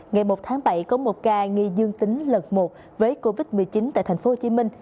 ngày một tháng bảy có một ca nghi dương tính lật một với covid một mươi chín tại tp hcm